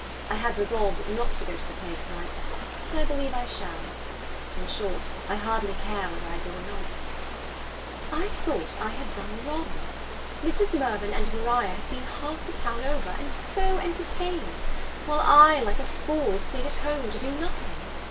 I had resolved not to go to the play to night; but I believe I shall. In short, I hardly care whether I do or not. I thought I had done wrong! Mrs. Mirvan and Maria have been half the town over, and so entertained! while I, like a fool, staid at home to do nothing.